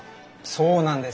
そうなんですよ。